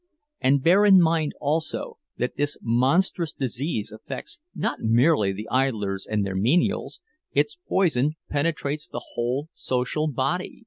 And bear in mind also that this monstrous disease affects not merely the idlers and their menials, its poison penetrates the whole social body.